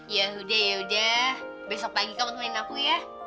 ya udah yaudah besok pagi kamu temenin aku ya